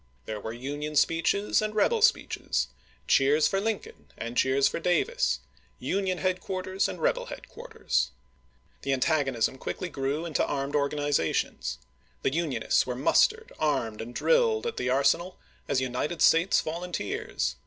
There were Union speeches and rebel speeches; cheers for Lincoln and cheers for Davis; Union headquarters and rebel headquarters. The antag onism quickly grew into armed organizations. The Unionists were mustered, armed, and drilled at the arsenal as United States volunteers.